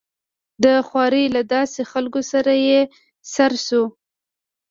د خوارې له داسې خلکو سره يې سر شو.